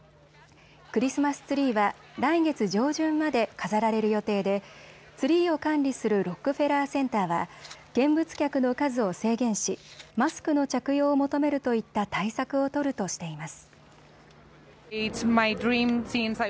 クリスマスツリーは来月上旬まで飾られる予定でツリーを管理するロックフェラーセンターは見物客の数を制限しマスクの着用を求めるといった対策を取るとしています。